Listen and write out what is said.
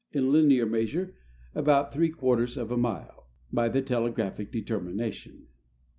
in linear measure about I of a mile, by the telegraphic determination.